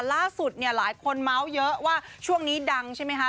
ล่าสุดเนี่ยหลายคนเมาส์เยอะว่าช่วงนี้ดังใช่ไหมคะ